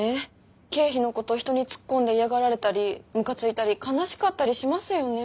経費のこと人に突っ込んで嫌がられたりムカついたり悲しかったりしますよね。